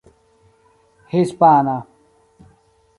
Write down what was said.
hispana